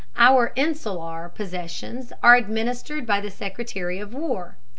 Our insular possessions are administered by the Secretary of War.